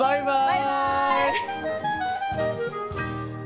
バイバイ！